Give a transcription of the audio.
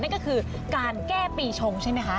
นั่นก็คือการแก้ปีชงใช่ไหมคะ